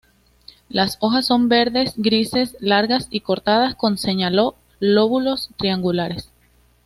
Las hojas son verdes-grises, largas y cortadas con, señaló lóbulos triangulares.